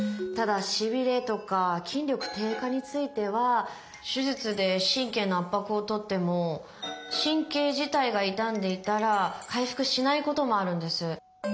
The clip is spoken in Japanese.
ただしびれとか筋力低下については手術で神経の圧迫を取っても神経自体が傷んでいたら回復しないこともあるんです。